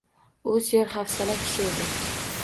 U serhafsala kishi edi.